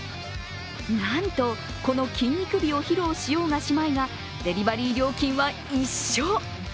なんと、この筋肉美を披露しようがしまいが、デリバリー料金は一緒。